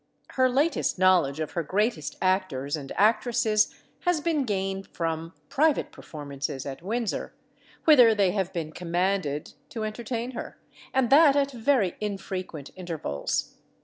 Her latest knowledge of her greatest actors and actresses has been gained from private performances at Windsor, whither they have been "commanded" to entertain her, and that at very infrequent intervals.